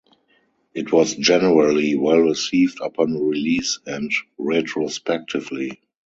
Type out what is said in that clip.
It was generally well received upon release and retrospectively.